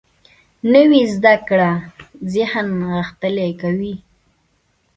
نوې زده کړه ذهن غښتلی کوي